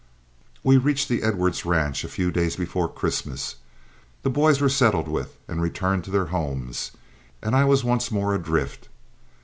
We reached the Edwards ranch a few days before Christmas. The boys were settled with and returned to their homes, and I was once more adrift.